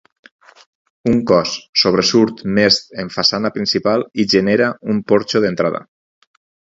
Un cos sobresurt més en façana principal i genera un porxo d'entrada.